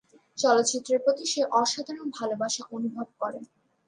চলচ্চিত্রের প্রতি সে অসাধারণ ভালোবাসা অনুভব করে।